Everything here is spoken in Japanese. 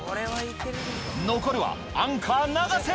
残るはアンカー、永瀬。